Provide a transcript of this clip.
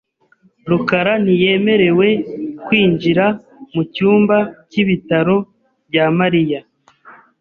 rukara ntiyemerewe kwinjira mu cyumba cy’ibitaro bya Mariya .